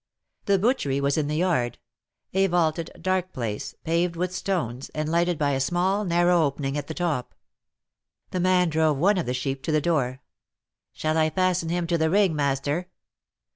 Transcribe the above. The butchery was in the yard, a vaulted, dark place, paved with stones, and lighted by a small, narrow opening at the top. The man drove one of the sheep to the door. "Shall I fasten him to the ring, master?"